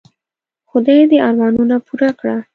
خدای دي ارمانونه پوره کړه .